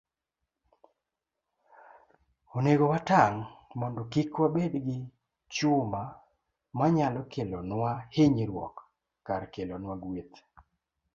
Onego watang' mondo kik wabed gi chuma manyalo kelonwa hinyruok kar kelonwa gweth.